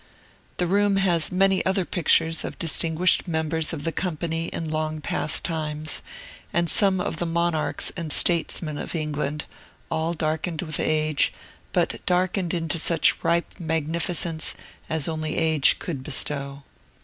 The room has many other pictures of distinguished members of the company in long past times, and of some of the monarchs and statesmen of England, all darkened with age, but darkened into such ripe magnificence as only age could bestow.